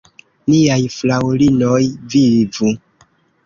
Niaj fraŭlinoj vivu!